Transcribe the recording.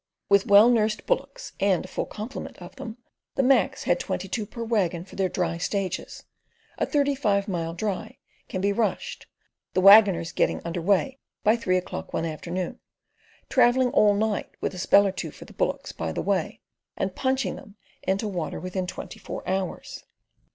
With well nursed bullocks, and a full complement of them—the "Macs" had twenty two per waggon for their dry stages—a "thirty five mile dry" can be "rushed," the waggoners getting under way by three o'clock one afternoon, travelling all night with a spell or two for the bullocks by the way, and "punching" them into water within twenty four hours.